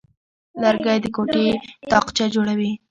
لرګی د کوټې تاقچه جوړوي.